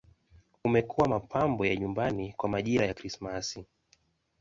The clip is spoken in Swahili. Umekuwa mapambo ya nyumbani kwa majira ya Krismasi.